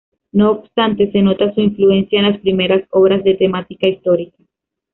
No obstante, se nota su influencia en las primeras obras de temática histórica.